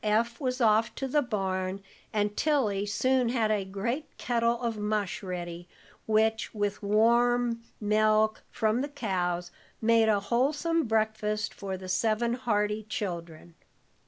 Eph was off to the barn, and Tilly soon had a great kettle of mush ready, which, with milk warm from the cows, made a wholesome breakfast for the seven hearty children.